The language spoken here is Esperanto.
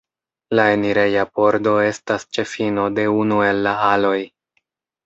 La enireja pordo estas ĉe fino de unu el la aloj.